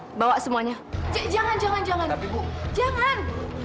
hai bawa semuanya jangan jangan jangan tapi bu jangan